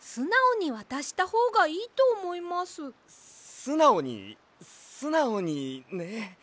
すなおにすなおにね。